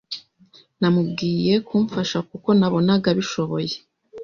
Namubwiye kumfasha kuko nabonaga abishoboye